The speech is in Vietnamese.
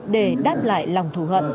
để đáp lại lòng thù hận